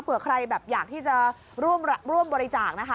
เผื่อใครแบบอยากที่จะร่วมบริจาคนะคะ